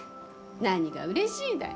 何がうれしいだい。